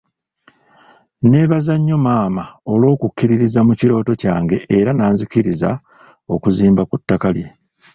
Nneebaza nnyo maama olw'okukkiririza mu kirooto kyange era n’anzikiriza okuzimba ku ttaka lye.